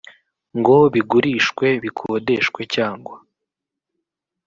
ngo bigurishwe bikodeshwe cyangwa